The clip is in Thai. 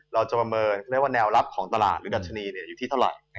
เราจะบำเมินแนวลับของตลาดหรือดัชนีเนี้ยอยู่ที่ตลาด